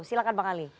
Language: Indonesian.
silahkan bang ali